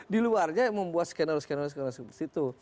di luarnya membuat scanner scanner seperti itu